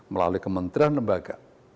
melalui kementerian lembaga